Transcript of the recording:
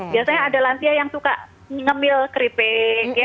biasanya ada lansia yang suka ngemil keripik